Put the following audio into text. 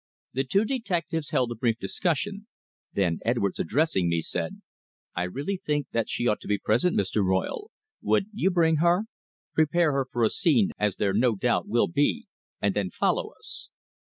The two detectives held a brief discussion. Then Edwards, addressing me, said: "I really think that she ought to be present, Mr. Royle. Would you bring her? Prepare her for a scene as there no doubt will be and then follow us."